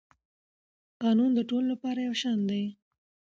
قانون د ټولو لپاره یو شان دی.